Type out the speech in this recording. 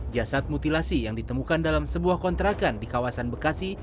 jasad mutilasi yang ditemukan dalam sebuah kontrakan di kawasan bekasi